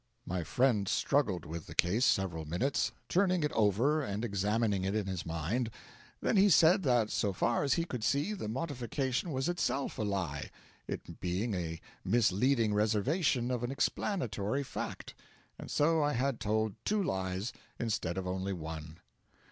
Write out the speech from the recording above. My friend struggled with the case several minutes, turning it over and examining it in his mind, then he said that so far as he could see the modification was itself a lie, it being a misleading reservation of an explanatory fact, and so I had told two lies instead of only one.